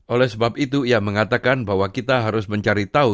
oleh sebab itu ia mengatakan bahwa kita harus mencari tahu